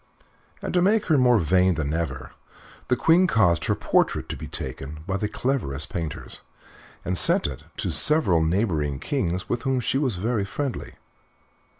And to make her more vain than ever the Queen caused her portrait to be taken by the cleverest painters and sent it to several neighboring kings with whom she was very friendly.